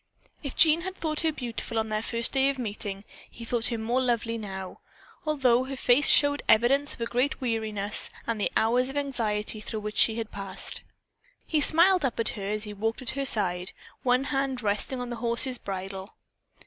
If Jean had thought her beautiful on the day of their first meeting, he thought her more lovely now, although her face showed evidence of a great weariness and the hours of anxiety through which she had passed. He smiled up at her as he walked at her side, one hand resting on the horse's bridle.